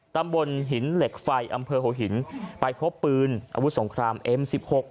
ตำบลหินเหล็กไฟอำเภอหัวหินไปพบปืนอาวุธสงครามเอ็มสิบหก